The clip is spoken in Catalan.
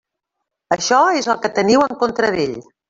Això és el que teniu en contra d'ell.